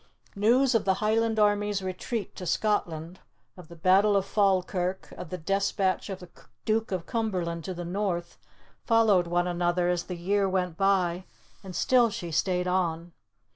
News of the Highland army's retreat to Scotland, of the Battle of Falkirk, of the despatch of the Duke of Cumberland to the North, followed one another as the year went by, and still she stayed on.